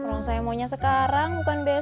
kalau saya maunya sekarang bukan besok